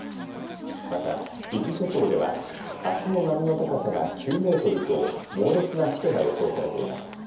また伊豆諸島ではあすの波の高さが９メートルと猛烈なしけが予想されています。